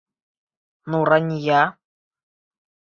Нурания!